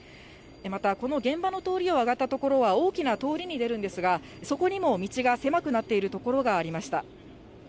また、この現場の通りを上がった所は大きな通りに出るんですが、そこにも道が狭くなっている所がありました。